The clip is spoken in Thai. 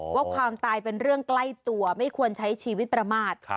ว่าความตายเป็นเรื่องใกล้ตัวไม่ควรใช้ชีวิตประมาท